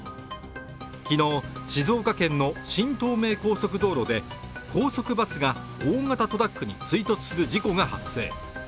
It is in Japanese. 昨日、静岡県の新東名高速道路で高速バスが大型トラックに追突する事故が発生。